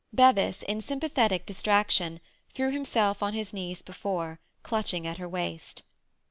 Bevis, in sympathetic distraction, threw himself on his knees before her, clutching at her waist.